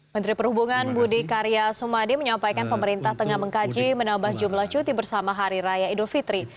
menteri perhubungan budi karya sumadi menyampaikan pemerintah tengah mengkaji menambah jumlah cuti bersama hari raya idul fitri